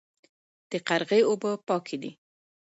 د قرغې اوبه پاکې دي